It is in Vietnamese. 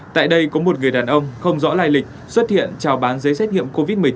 tại đây có một người đàn ông không rõ lai lịch xuất hiện trào bán giấy phép covid một mươi chín